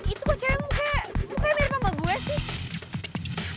itu kok cewek mukanya mukanya mirip sama gue sih